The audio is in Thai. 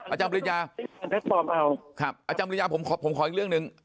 อาจารย์บริจาผมขออีกเรื่องหนึ่ง